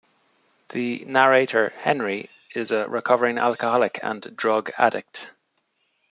The narrator, Henry, is a recovering alcoholic and drug addict.